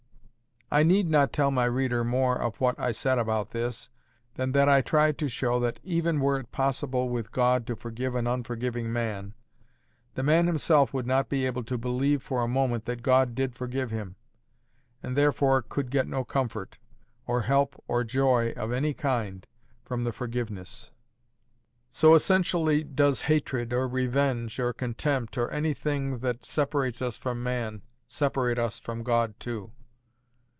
I need not tell my reader more of what I said about this, than that I tried to show that even were it possible with God to forgive an unforgiving man, the man himself would not be able to believe for a moment that God did forgive him, and therefore could get no comfort or help or joy of any kind from the forgiveness; so essentially does hatred, or revenge, or contempt, or anything that separates us from man, separate us from God too.